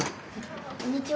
こんにちは。